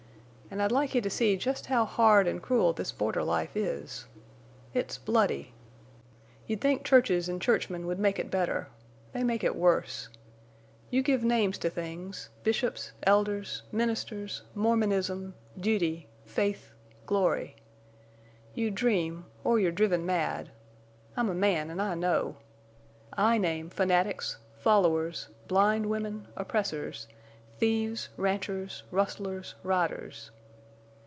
An' I'd like you to see jest how hard an' cruel this border life is. It's bloody. You'd think churches an' churchmen would make it better. They make it worse. You give names to things—bishops, elders, ministers, Mormonism, duty, faith, glory. You dream—or you're driven mad. I'm a man, an' I know. I name fanatics, followers, blind women, oppressors, thieves, ranchers, rustlers, riders.